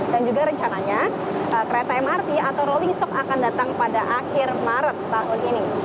dan juga rencananya kereta mrt atau rolling stock akan datang pada akhir maret tahun ini